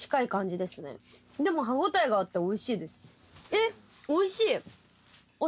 えっおいしい。